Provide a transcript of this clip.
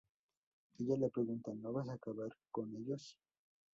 Ella le pregunta "¿No vas acabar con ellos?